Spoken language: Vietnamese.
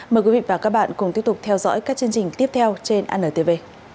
mời quý vị và các bạn cùng tiếp tục theo dõi các chương trình tiếp theo trên antv